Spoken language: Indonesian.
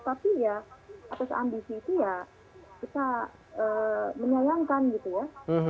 tapi ya atas ambisi itu ya kita menyayangkan gitu ya